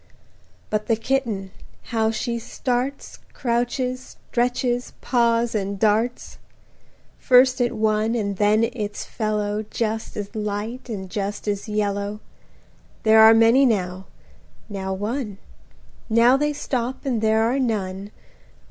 — But the Kitten, how she starts, Crouches, stretches, paws, and darts! First at one, and then its fellow Just as light and just as yellow; 20 There are many now–now one– Now they stop and there are none.